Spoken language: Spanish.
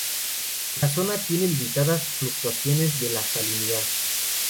La zona tiene limitadas fluctuaciones de la salinidad.